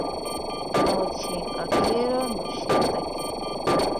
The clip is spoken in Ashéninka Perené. Nochekakero noshetaki.